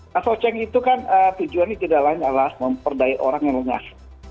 nah socheng itu kan tujuan ini tidak lain alas memperdaya orang yang lengah